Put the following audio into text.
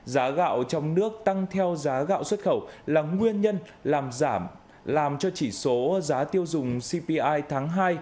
giá gạo trong nước tăng theo giá gạo xuất khẩu là nguyên nhân làm giảm làm cho chỉ số giá tiêu dùng cpi tháng hai